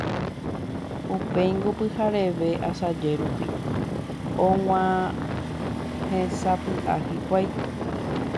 Upéingo, pyhareve asaje rupi, og̃uahẽsapy'a hikuái.